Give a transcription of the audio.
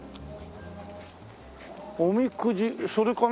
おみくじそれかな？